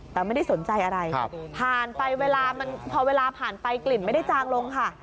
แต่ไม่ได้สนใจอะไรผ่านไปเวลามันพอเวลาผ่านไปกลิ่นไม่ได้จางลงค่ะ